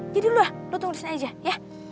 jadi dulu lah lo tunggu di sini aja ya